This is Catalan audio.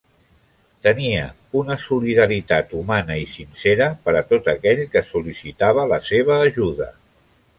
Tenia una solidaritat humana i sincera per tot aquell que sol·licitava la seva ajuda.